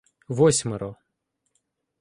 Восьмеро